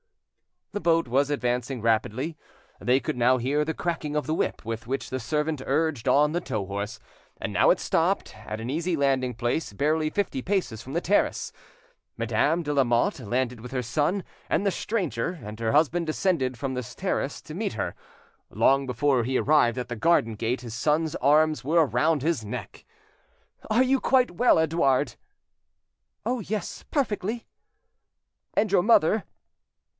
The boat was advancing rapidly; they could now hear the cracking of the whip with which the servant urged on the tow horse. And now it stopped, at an easy landing place, barely fifty paces from the terrace. Madame de Lamotte landed with her son and the stranger, and her husband descended from the terrace to meet her. Long before he arrived at the garden gate, his son's arms were around his neck. "Are you quite well, Edouard ?" "Oh yes, perfectly." "And your mother?"